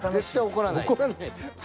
怒らない？